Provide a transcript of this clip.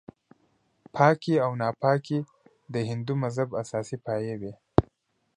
پاکي او ناپاکي د هندو مذهب اساسي پایې وې.